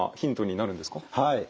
はい。